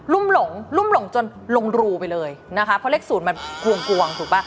ุ่มหลงรุ่มหลงจนลงรูไปเลยนะคะเพราะเลขศูนย์มันกวงถูกป่ะ